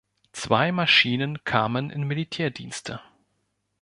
Zwei Maschinen kamen in Militärdienste.